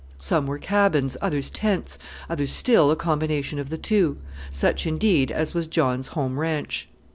Some were cabins, others tents, others still a combination of the two such, indeed, as was John's "home ranch."